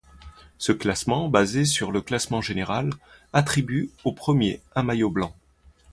Ce classement, basé sur le classement général, attribue au premier un maillot blanc.